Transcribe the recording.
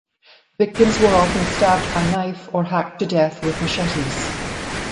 Victims were often stabbed by knife or hacked to death with machetes.